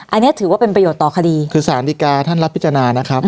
อันนี้ถือว่าเป็นประโยชน์ต่อคดีคือสารดีกาท่านรับพิจารณานะครับ